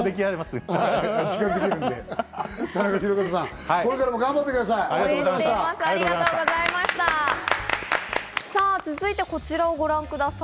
田中宏和さん、これからも頑張ってください！